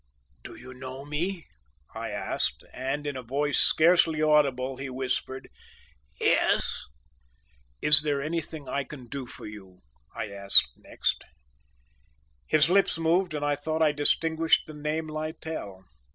"Do you know me?" I asked, and in a voice scarcely audible, he whispered "Yes." "Is there anything I can do for you?" I asked next. His lips moved and I thought I distinguished the name "Littell."